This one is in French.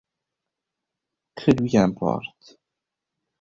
Que lui importe ?